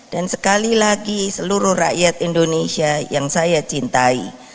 dan sekali lagi seluruh rakyat indonesia yang saya cintai